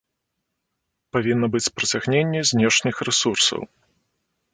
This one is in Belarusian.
Павінна быць прыцягненне знешніх рэсурсаў.